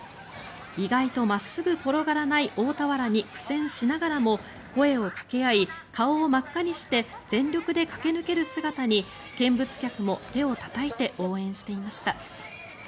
意外と真っすぐ転がらない大俵に苦戦しながらも声をかけ合い顔を真っ赤にして全力で駆け抜ける姿に見物客も手をたたいて応援していました。